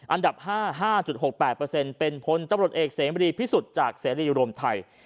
อันดับ๕๕๖๘เป็นพลตำรวจเอกเสมรีพิสุทธิ์จากเสรีรวมไทย